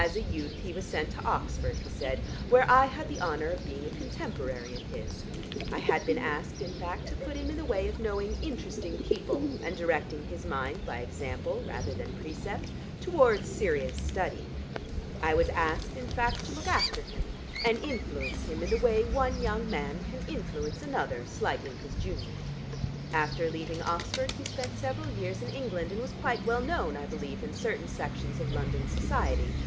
"As a youth he was sent to Oxford," he said, "where I had the honour of being a contemporary of his. I had been asked, in fact, to put him in the way of knowing interesting people and directing his mind, by example rather than precept, towards serious study. I was asked, in fact, to look after him and influence him in the way one young man can influence another slightly his junior. After leaving Oxford he spent several years in England, and was quite well known, I believe, in certain sections of London Society.